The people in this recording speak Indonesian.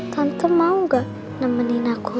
tante mau gak nemenin aku